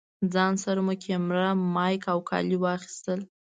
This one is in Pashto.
ځان سره مو کېمره، مايک او کالي واخيستل.